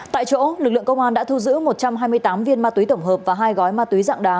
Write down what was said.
tại chỗ lực lượng công an đã thu giữ một trăm hai mươi tám viên ma túy tổng hợp và hai gói ma túy dạng đá